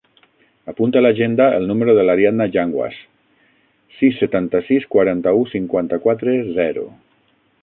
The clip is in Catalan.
Apunta a l'agenda el número de l'Ariadna Yanguas: sis, setanta-sis, quaranta-u, cinquanta-quatre, zero.